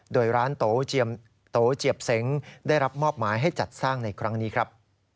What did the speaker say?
โดยร้านโตเจียบเสงได้รับมอบหมายให้จัดสร้างในครั้งนี้ครับ